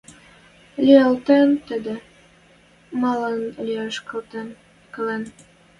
Лиӓлтӹн тӹдӹ, малын лиӓш келӹн: